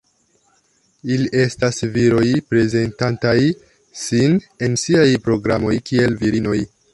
Ili estas viroj prezentantaj sin en siaj programoj kiel virinoj.